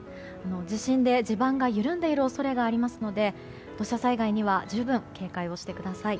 地震で地盤が緩んでいる恐れもありますので土砂災害には十分警戒をしてください。